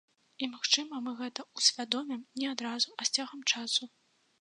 І, магчыма, мы гэта ўсвядомім не адразу, а з цягам часу.